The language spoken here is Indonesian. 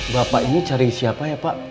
bapak ini cari siapa ya pak